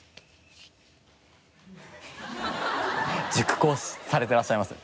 熟考されてらっしゃいますね。